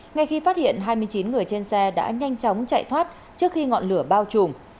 ngay khi phát hiện hai mươi chín người trên xe đã nhanh chóng chạy thoát trước khi ngọn lửa bao trùm